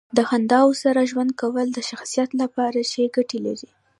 د خنداوو سره ژوند کول د شخصیت لپاره ښې ګټې لري.